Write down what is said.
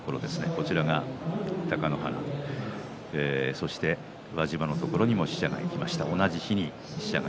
こちらが貴ノ花そして輪島のところにも使者が行きました、同じ日に。